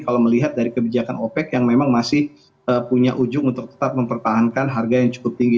kalau melihat dari kebijakan opec yang memang masih punya ujung untuk tetap mempertahankan harga yang cukup tinggi